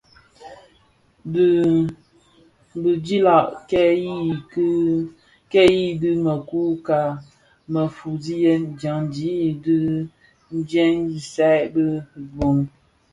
Di bidilag kè yui di kimü ka fuwèsi dyaňdi i ndegsiyèn bi bug.